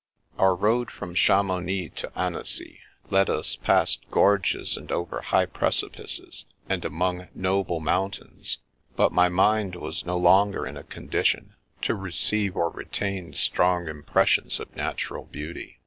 Our road from Chamounix to Annecy led us past gorges and over high precipices and among noble mountains, but my mind was no longer in a condition to receive or retain strong impressions of natural beauty.